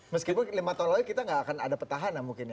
meskipun lima tahun lalu kita nggak akan ada petahana mungkin ya